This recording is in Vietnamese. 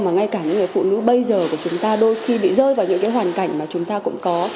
những người phụ nữ bây giờ của chúng ta đôi khi bị rơi vào những cái hoàn cảnh mà chúng ta cũng có